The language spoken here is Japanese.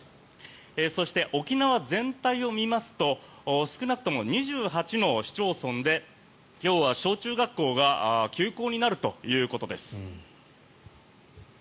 そして、沖縄全体を見ますと少なくとも２８の市町村で今日は小中学校が休校になるということです。